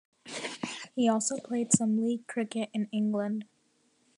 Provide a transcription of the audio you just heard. He also played some league cricket in England.